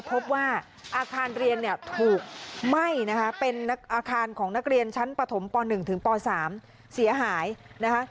พบว่าอาคารเรียนเนี่ยถูกไหม้นะคะเป็นอาคารของนักเรียนชั้นปฐมป๑ถึงป๓เสียหายนะคะ